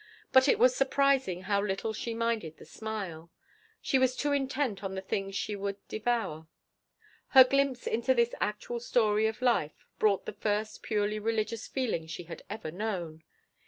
But it was surprising how little she minded the smile. She was too intent on the things she would devour. Her glimpse into this actual story of life brought the first purely religious feeling she had ever known.